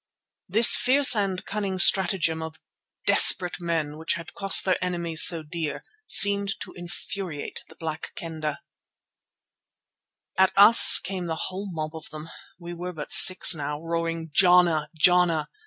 This fierce and cunning stratagem of desperate men which had cost their enemies so dear, seemed to infuriate the Black Kendah. At us came the whole mob of them—we were but six now—roaring "Jana! Jana!"